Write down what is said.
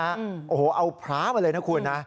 มาน่ะเอาพระมาเลยนะคุณฮะ